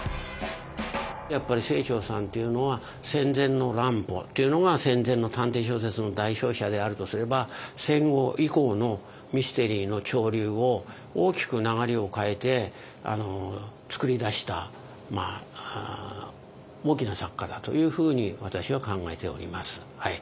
やっぱり清張さんっていうのは戦前の乱歩っていうのが戦前の探偵小説の代表者であるとすれば戦後以降のミステリーの潮流を大きく流れを変えて作り出した大きな作家だというふうに私は考えております。